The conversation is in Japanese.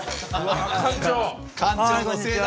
館長！